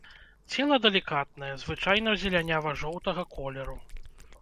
Цела далікатнае, звычайна зелянява-жоўтага колеру.